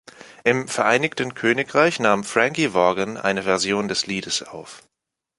Im Vereinigten Königreich nahm Frankie Vaughan eine Version des Liedes auf.